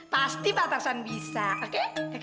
pasti mba tarsan bisa oke